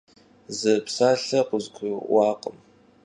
Zı psalhe khızgurı'uakhım.